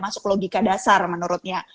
masuk logika dasar menurutnya